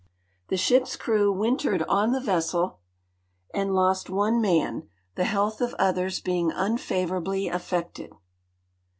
Tlie ship's crew wintered on the vessel and lost one man, the health of others being unfavorably 'affected.